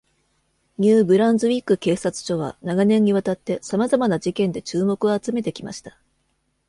ニューブランズウィック警察署は、長年にわたってさまざまな事件で注目を集めてきました。